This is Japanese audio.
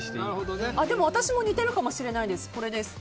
でも、私も似てるかもしれないです。